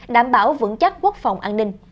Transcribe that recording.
đảm bảo vững chắc quốc phòng an ninh